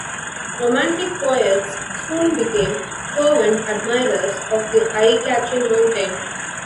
Romantic poets soon became fervent admirers of the eye-catching mountain.